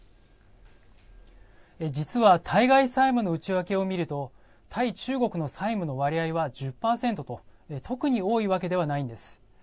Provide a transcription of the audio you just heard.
実は対外債務の内訳を見ると対中国の債務の割合は１０％と特に多いわけではないんです。